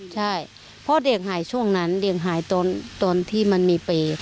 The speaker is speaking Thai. ใช่เพราะเด็กหายช่วงนั้นเด็กหายตอนที่มันมีเปรย์